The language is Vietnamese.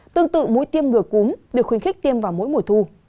tương tự mũi tiêm ngừa cúm được khuyến khích tiêm vào mỗi mùa thu